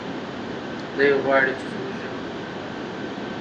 دی غواړي چې زموږ ژبه پرمختګ وکړي.